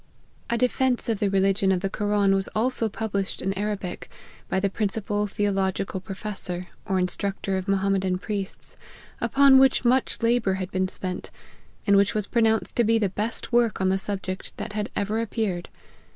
A defence of the religion of the Koran was also published in Arabic, by the principal theological professor, or instructer of Mohammedan priests, upon which much labour had been spent, and which was pronounced to be the best work on the subject that had ever appeared.